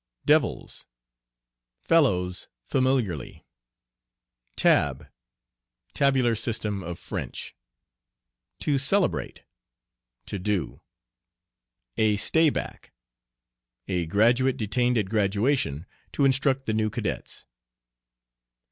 "Devils." Fellows familiarly. "Tab." Tabular system of French. "To celebrate." To do. "A stayback." A graduate detained at graduation to instruct the new cadets.